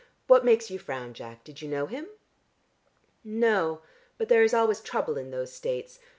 What makes you frown, Jack? Did you know him?" "No. But there is always trouble in those states.